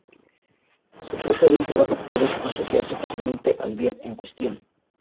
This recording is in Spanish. Se trata de un trabajo que puede asociarse fácilmente al bien en cuestión.